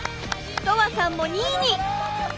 とわさんも２位に！